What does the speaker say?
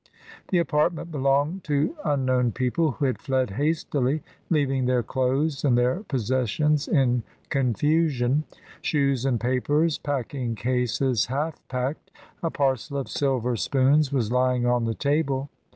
The apartment belonged to unknown people who had fled hastily, leaving their clothes and their possessions in confusion; shoes and papers, packing cases half packed, a parcel of silver spoons was lying on the table.